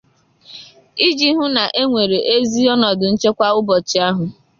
iji ịhụ na e nwere ezi ọnọdụ nchekwa ụbọchị ahụ.